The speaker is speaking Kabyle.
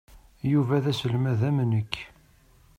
Yuba d aselmad am nekk.